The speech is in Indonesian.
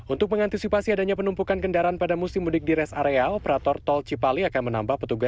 untuk mengantisipasi adanya penumpukan kendaraan pada musim mudik di rest area